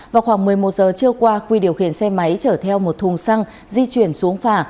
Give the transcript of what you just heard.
vào khoảng một mươi một giờ trưa qua quy điều khiển xe máy chở theo một thùng xăng di chuyển xuống phà